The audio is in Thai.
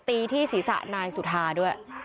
ตีที่ศีรษะนายสุธาด้วย